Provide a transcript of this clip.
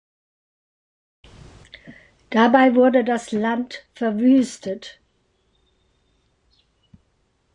Dabei wurde das Land verwüstet.